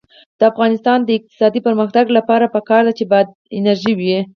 د افغانستان د اقتصادي پرمختګ لپاره پکار ده چې باد انرژي وي.